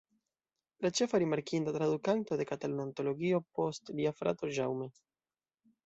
La ĉefa rimarkinda tradukanto de Kataluna Antologio post lia frato Jaume.